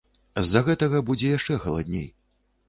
З-за гэтага будзе яшчэ халадней.